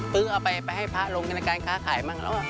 ตื้อเอาไปไปให้พระลงฯในการค้าขายมั่ง